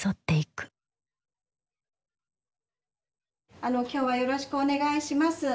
あの今日はよろしくお願いします。